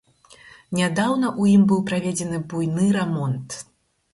Нядаўна ў ім быў праведзены буйны рамонт.